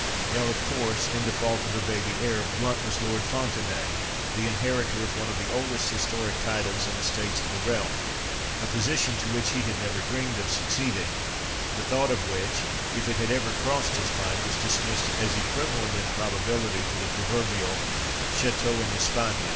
Now, of course, in default of a baby heir Blount was Lord Fontenaye, the inheritor of one of the oldest historic titles and estates of the realm—a position to which he had never dreamed of succeeding; the thought of which, if it had ever crossed his mind, was dismissed as equivalent in probability to the proverbial "Château en Espagne."